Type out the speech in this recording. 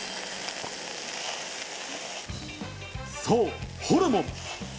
そう、ホルモン。